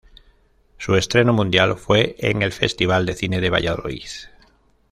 Su estreno mundial fue en el Festival de Cine de Valladolid.